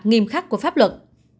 điều khác của pháp luật